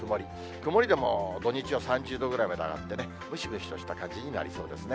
曇りでも土日は３０度ぐらいまで上がって、ムシムシとした感じになりそうですね。